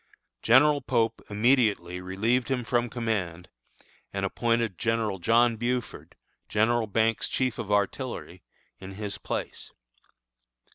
General Pope immediately relieved him from command, and appointed General John Buford, General Banks' chief of artillery, in his place.